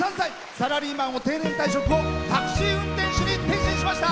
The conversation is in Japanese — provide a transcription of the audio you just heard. サラリーマンを定年退職後タクシー運転手に転身しました。